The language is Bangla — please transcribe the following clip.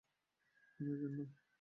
আমি এজেন্ট নই।